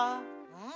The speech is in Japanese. うん？